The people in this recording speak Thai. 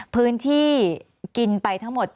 พื้นที่กินไปทั้งหมด